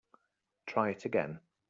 Try it again.